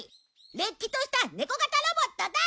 れっきとしたネコ型ロボットだ！